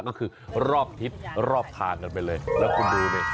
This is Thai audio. ก็คือรอบทิศรอบทางกันไปเลยแล้วคุณดูดิ